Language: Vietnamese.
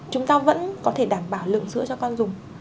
chúng ta vẫn có thể đảm bảo lượng sữa cho con dùng